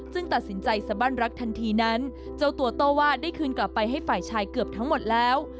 ซึ่งตัดสินใจสบั้นรักทันทีนั้นเจ้าตัวโต้ว่าได้คืนกลับไปให้ฝ่ายชายเกือบทั้งหมดแล้ว